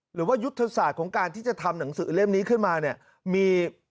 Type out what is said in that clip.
หรือว่ายุทธศาสตร์ของการที่จะทำหนังสือเล่มนี้ขึ้นมาเนี่ยมี